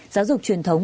giáo dục truyền thống